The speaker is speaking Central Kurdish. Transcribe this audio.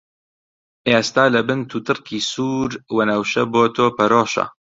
ئێستا لە بن «توتڕکی» سوور، وەنەوشە بۆ تۆ پەرۆشە!